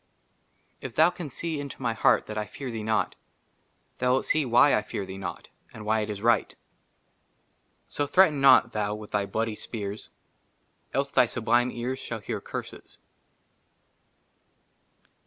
II IF THOU CAN SEE INTO MY HEART THAT 1 FEAR THEE NOT, THOU WILT SEE WHY I FEAR THEE NOT, AND WHY IT IS RIGHT. 58 J 1 so THREATEN NOT, THOU, WITH THY BLOODY SPEARS, ELSE THY SUBLIME EAR*S SHALL HEAR CURSES.